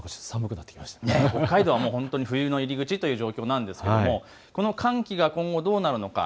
北海道は冬の入り口という状況なんですが、この寒気が今後どうなるのか。